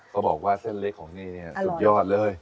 เขาบอกว่าเส้นเล็กของนี่เนี่ยสุดยอดเลย